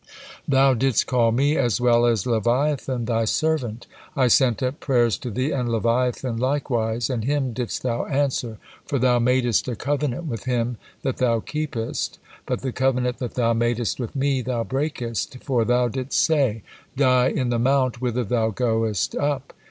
"Thou didst call me, as well as Leviathan, thy servant; I sent up prayers to Thee, and Leviathan likewise, and him didst Thou answer, for Thou madest a covenant with him that Thou keepest, but the covenant that Thou madest with me Thou breakest, for Thou didst say, 'Die in the mount whither thou goest up.'